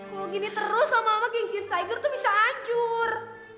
kalo gini terus lama lama geng cheers tiger tuh bisa hancur